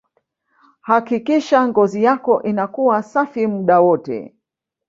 hakikisha ngozi yako inakuwa safi muda wote